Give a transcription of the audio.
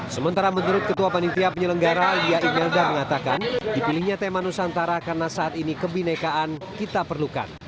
sementara menurut ketua panitia penyelenggara dia imelda mengatakan dipilihnya tema nusantara karena saat ini kebinekaan kita perlukan